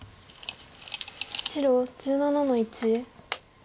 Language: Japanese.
白１７の一。